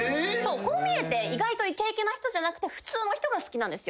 こう見えて意外とイケイケな人じゃなくて普通の人が好きなんですよ。